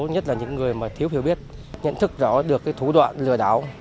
nhất là những người mà thiếu hiểu biết nhận thức rõ được cái thủ đoạn lừa đảo